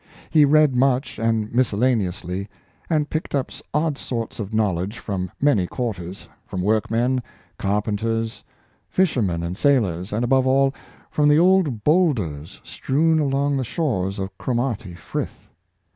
He read much and miscellaneously, and picked up odd sorts of knowledge from many quarters — from workmen, car penters, fishermen, and sailors, and above all, from the old boulders strewed along the shores of the Cromarty Frith.